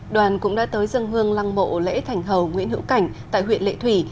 đoàn cũng đã tới dân hương lăng mộ lễ thành hầu nguyễn hữu cảnh tại huyện lệ thủy